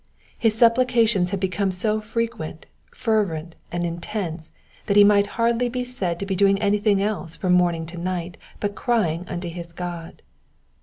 His supplications had become so frequent, fervent, and intense, that he might hardly be said to be doing anything else from morning to night but crying unto his God.